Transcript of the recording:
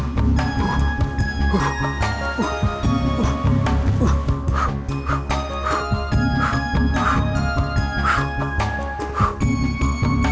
sampai jumpa lagi